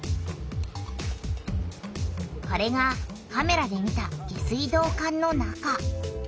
これがカメラで見た下水道管の中。